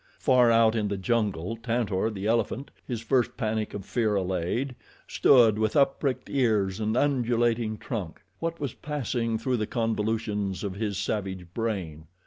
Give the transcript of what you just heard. Far out in the jungle Tantor, the elephant, his first panic of fear allayed, stood with up pricked ears and undulating trunk. What was passing through the convolutions of his savage brain?